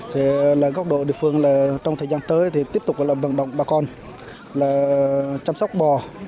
thì là góc độ địa phương là trong thời gian tới thì tiếp tục là vận động bà con là chăm sóc bò